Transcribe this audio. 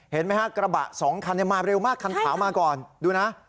เห็นไหมฮะกระบะสองคันมาเร็วมากคันขาวมาก่อนดูนะ